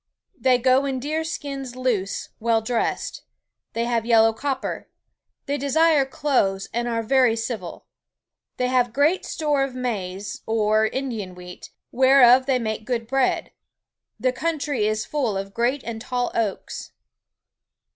They go in deere skins loose, well dressed. They have yellow copper. They desire cloathes, and are very civill. They have great store of maise, or Indian wheate, whereof they make good bread. The country is full of great and tall oaks.